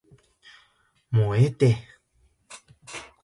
もうええて